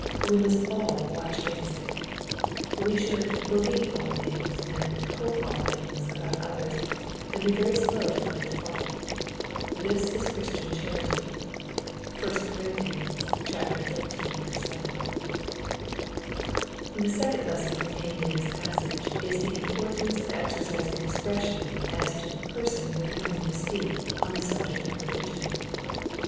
We must all watch against it. We should " believe all things/' and " hope all things '' about others, and be very slow to find fault. This is Christian charity. (1 Cor. xiii. 7.) The second lesson contained in this passage, is the im* portance of exercising discretion as to the person with whom we speak on the subject of religion.